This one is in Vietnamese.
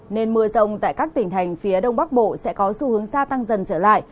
nên mưa rông tại các tỉnh thành phía đông bắc bộ sẽ có xu hướng xa tăng dần trở lại